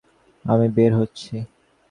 আমি বের হচ্ছি।